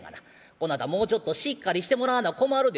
こなたもうちょっとしっかりしてもらわな困るで。